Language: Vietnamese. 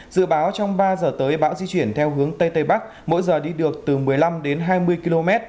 dự báo trong ba giờ tới bão di chuyển theo hướng tây tây bắc mỗi giờ đi được từ một mươi năm đến hai mươi km